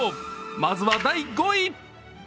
まずは第５位。